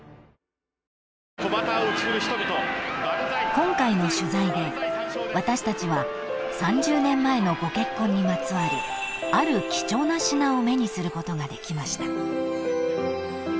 ［今回の取材で私たちは３０年前のご結婚にまつわるある貴重な品を目にすることができました］